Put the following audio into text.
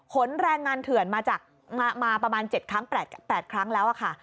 แรงงานเถื่อนมาประมาณ๗ครั้ง๘ครั้งแล้วค่ะ